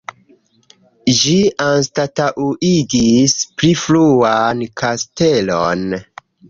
Ĝi anstataŭigis pli fruan kastelon.